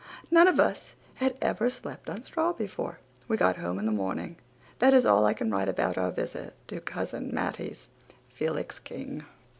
None of us had ever slept on straw before. We got home in the morning. That is all I can write about our visit to Cousin Mattie's. FELIX KING.